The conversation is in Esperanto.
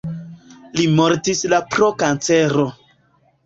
Li mortis la pro kancero.